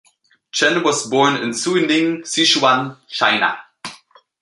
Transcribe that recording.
Chen was born in Suining, Sichuan, China.